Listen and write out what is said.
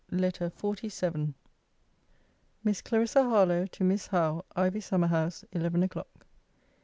LETTER XLVII MISS CLARISSA HARLOWE, TO MISS HOWE IVY SUMMER HOUSE, ELEVEN O'CLOCK.